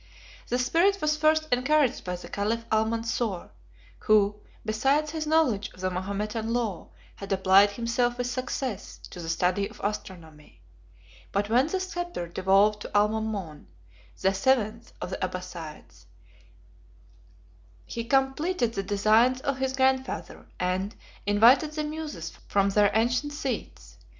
This spirit was first encouraged by the caliph Almansor, who, besides his knowledge of the Mahometan law, had applied himself with success to the study of astronomy. But when the sceptre devolved to Almamon, the seventh of the Abbassides, he completed the designs of his grandfather, and invited the muses from their ancient seats.